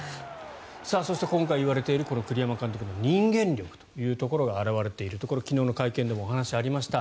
そして今回いわれている栗山監督の人間力が表れているところ昨日の会見でもお話がありました。